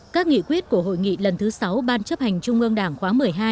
các nghị quyết của hội nghị lần thứ sáu ban chấp hành trung ương đảng khóa một mươi hai